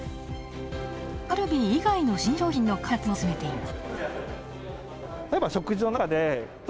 カルビ以外の新商品の開発も進めています。